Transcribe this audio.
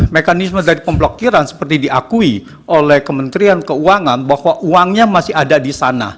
mekanisme dari pemblokiran seperti diakui oleh kementerian keuangan bahwa uangnya masih ada di sana